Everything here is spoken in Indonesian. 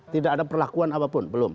tidak ada perlakuan apapun belum